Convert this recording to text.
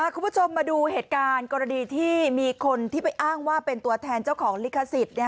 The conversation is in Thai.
คุณผู้ชมมาดูเหตุการณ์กรณีที่มีคนที่ไปอ้างว่าเป็นตัวแทนเจ้าของลิขสิทธิ์